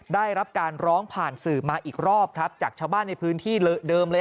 ได้รับการร้องผ่านสื่อมาอีกรอบครับจากชาวบ้านในพื้นที่เดิมเลย